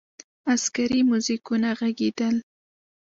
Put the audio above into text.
عسکري موزیکونه ږغېدل.